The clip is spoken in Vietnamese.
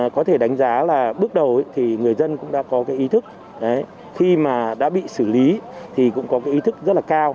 có thể đánh giá là bước đầu thì người dân cũng đã có cái ý thức khi mà đã bị xử lý thì cũng có cái ý thức rất là cao